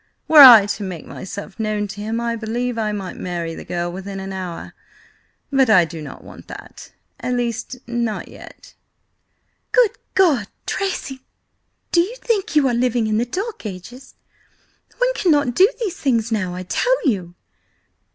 Were I to make myself known to him, I believe I might marry the girl within an hour. But I do not want that. At least–not yet." "Good God, Tracy! do you think you are living in the Dark Ages? One cannot do these things now, I tell you!